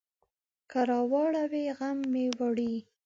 که راواړوي، غم مې وړي.